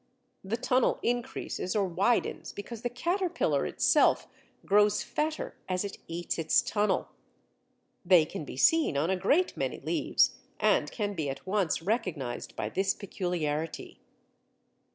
The tunnel increases or widens because the caterpillar itself grows fatter as it eats its tunnel. They can be seen on a great many leaves, and can be at once recognized by this peculiarity.